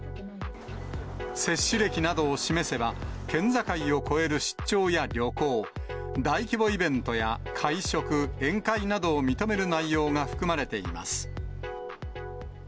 接種歴などを示せば、県境を越える出張や旅行、大規模イベントや会食、宴会などを認める内容が含まれています。